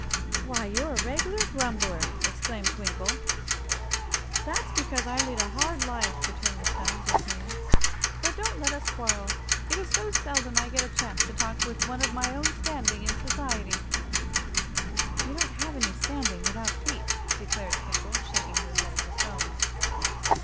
"Why, you're a reg'lar grumbler!" exclaimed Twinkle. "That's because I lead a hard life," returned the Stone, dismally. "But don't let us quarrel; it is so seldom I get a chance to talk with one of my own standing in society." "You can't have any standing, without feet," declared Twinkle, shaking her head at the Stone.